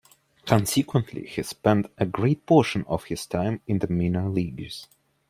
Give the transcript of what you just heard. Consequently, he spent a great portion of that time in the minor leagues.